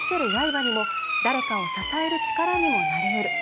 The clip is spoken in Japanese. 刃にも誰かを支える力にもなりうる。